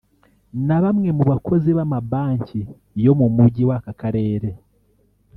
na bamwe mu bakozi b’Amabanki yo mu mujyi w’aka karere